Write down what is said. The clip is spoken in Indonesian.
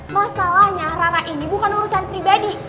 masalahnya rara ini bukan urusan pribadi